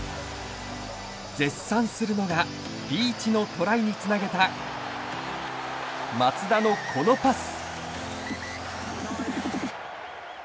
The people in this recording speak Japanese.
絶賛するのがリーチのトライにつなげた松田のこのパス。